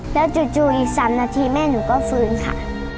แล้วจู่อีก๓นาทีแม่หนูก็ฟื้นค่ะ